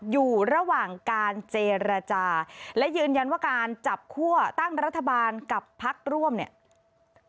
อยู่ระหว่างการเจรจาและยืนยันว่าการจับคั่วตั้งรัฐบาลกับพักร่วมเนี่ย